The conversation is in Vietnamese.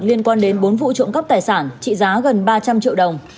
liên quan đến bốn vụ trộm cắp tài sản trị giá gần ba trăm linh triệu đồng